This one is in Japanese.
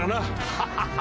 ハハハ！